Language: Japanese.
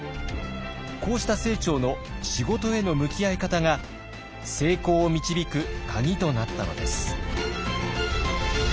こうした清張の仕事への向き合い方が成功を導く鍵となったのです。